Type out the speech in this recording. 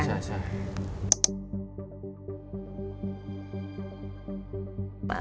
ร้องไห้ในการร้องไห้